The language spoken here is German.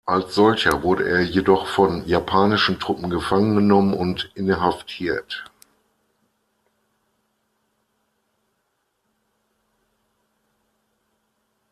Als solcher wurde er jedoch von japanischen Truppen gefangen genommen und inhaftiert.